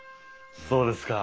そうですか。